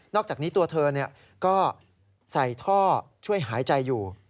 อกจากนี้ตัวเธอก็ใส่ท่อช่วยหายใจอยู่